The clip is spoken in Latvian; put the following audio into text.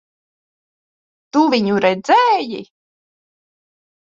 Tu viņu redzēji?